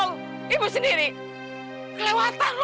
gue sendiri kelewatan lo